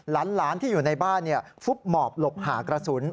หลานที่อยู่ในบ้านฟุบหมอบหลบหากระสุน